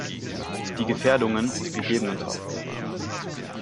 Die Gefährdungen und ggf.